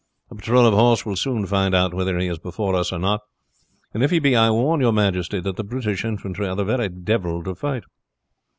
A patrol of horse will soon find out whether he is before us or not, and if he be I warn your majesty that the British infantry are the very devil to fight."